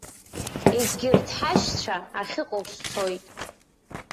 Егьырҭ ҳашьцәа ахьыҟоу сцоит.